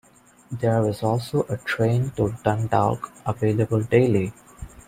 There is also a train to Dundalk available daily.